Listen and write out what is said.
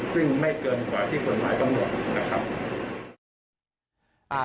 ซึ่งไม่เกินกว่าที่ผลหมายต้องรวด